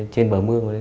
trên bờ mương ấy